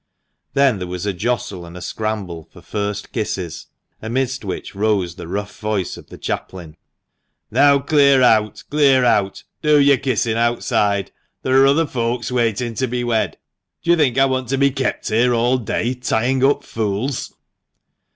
Then there was a jostle and a scramble for "first kisses," amidst which rose the rough voice of the chaplain. "Now clear out, clear out! Do your kissing outside. There are other folks waiting to be wed. Do you think I want to be kept here all day tying up fools?"